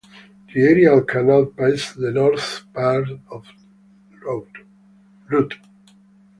The Erie Canal passes the north part of Root.